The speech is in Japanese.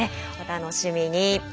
お楽しみに。